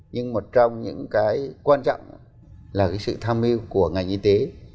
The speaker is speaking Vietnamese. nhưng một trong những cái quan trọng là sự tham hiu của ngành y tế